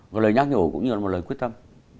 một lời nhắc nhở cũng như là một lời quyết tâm